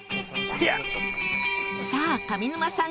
さあ上沼さん